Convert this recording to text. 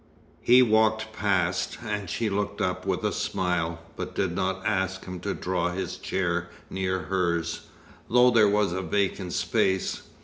V He walked past, and she looked up with a smile, but did not ask him to draw his chair near hers, though there was a vacant space.